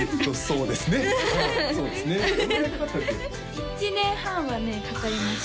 １年半はねかかりました